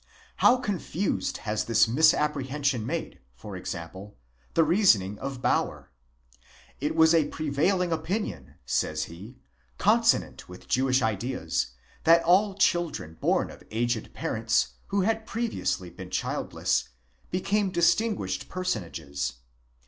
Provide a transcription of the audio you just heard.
How confused has this misapprehension made, for example, the reasoning of Bauer! It was a prevailing opinion, says he, consonant with Jewish ideas, that all children born of aged parents, who had previously been childless, became distinguished personages.